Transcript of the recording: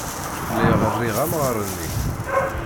Lliɣ riɣ amɣar-nni.